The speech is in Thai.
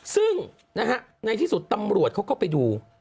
ซึ่งในที่สุดตำรวจเขาก็ไปดู